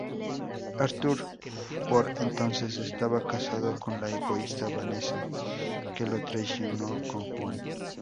Arthur, por entonces, estaba casado con la egoísta Vanessa, que lo traicionó con Juan.